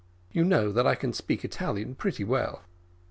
You know that I can speak Italian pretty well."